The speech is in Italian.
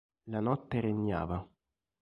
La notte regnava.